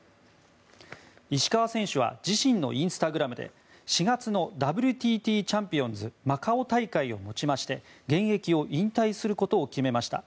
石川選手は自身のインスタグラムで４月のＷＴＴチャンピオンズマカオ大会をもちまして現役を引退することを決めました。